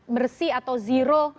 bersih atau zero